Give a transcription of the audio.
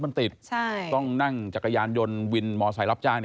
มันติดต้องนั่งจักรยานยนต์วินมอเซลรับจ้าง